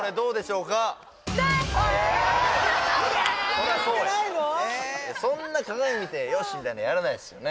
そらそうやそんな鏡見て「よし」みたいなのやらないですよね